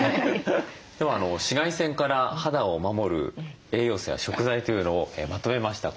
では紫外線から肌を守る栄養素や食材というのをまとめました。